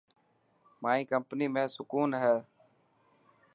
مائي ڪمپني ۾ سڪون هي.